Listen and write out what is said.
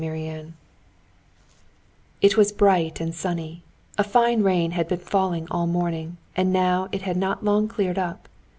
Chapter 28 It was bright and sunny. A fine rain had been falling all the morning, and now it had not long cleared up.